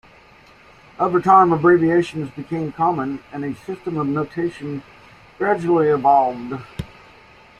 Over time, abbreviations became common, and a system of notation gradually evolved.